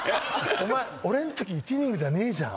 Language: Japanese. お前俺のとき１イニングじゃねえじゃん。